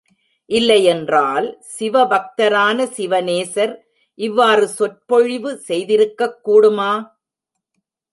இல்லையென்றால், சிவபக்தரான சிவநேசர் இவ்வாறு சொற்பொழிவு செய்திருக்கக் கூடுமா?